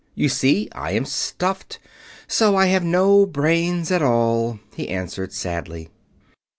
You see, I am stuffed, so I have no brains at all," he answered sadly.